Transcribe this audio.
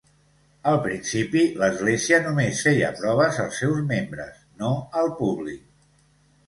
Al principi l'església només feia proves als seus membres, no al públic.